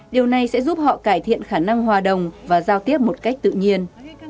điều này sẽ giúp họ cải thiện khả năng hòa đồng và giao tiếp một cách tự nhiên